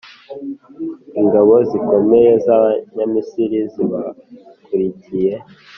ingabo zikomeye z’abanyamisiri zibakurikiye;